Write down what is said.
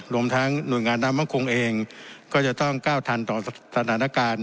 รวมทั้งหน่วยงานน้ำมั่งคงเองก็จะต้องก้าวทันต่อสถานการณ์